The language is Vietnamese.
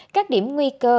các điểm nguy cơ